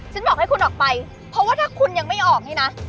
บอกให้คุณออกไปเพราะว่าถ้าคุณยังไม่ออกนี่นะ